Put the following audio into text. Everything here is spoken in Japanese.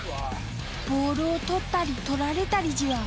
ボールを取ったり取られたりじわ。